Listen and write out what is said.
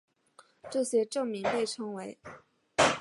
这些证明被称为。